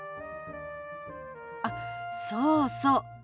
あっそうそう。